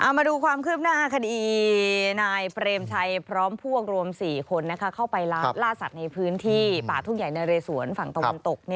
มาดูความคืบหน้าคดีนายเปรมชัยพร้อมพวกรวม๔คนเข้าไปล่าสัตว์ในพื้นที่ป่าทุ่งใหญ่นะเรสวนฝั่งตะวันตก